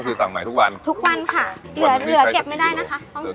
คือสั่งใหม่ทุกวันทุกวันค่ะเหลือเหลือเก็บไม่ได้นะคะ